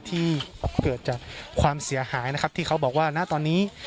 ที่เกิดจากความเสียหายนะครับที่เขาบอกว่าณตอนนี้